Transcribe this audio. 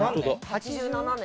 ８７年。